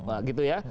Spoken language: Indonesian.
nah gitu ya